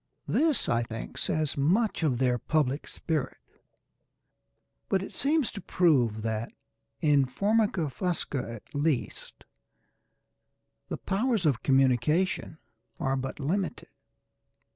This I think says much for their public spirit, but it seems to prove that, in F. fusca at least, the powers of communication are but limited.